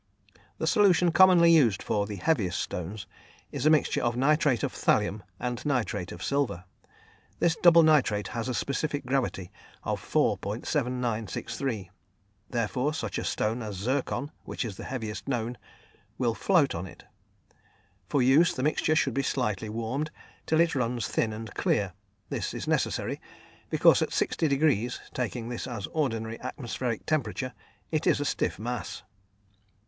The solution commonly used for the heaviest stones is a mixture of nitrate of thallium and nitrate of silver. This double nitrate has a specific gravity of 4.7963, therefore such a stone as zircon, which is the heaviest known, will float in it. For use, the mixture should be slightly warmed till it runs thin and clear; this is necessary, because at 60° (taking this as ordinary atmospheric temperature) it is a stiff mass.